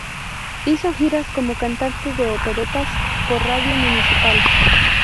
Hizo giras como cantante de operetas por Radio Municipal.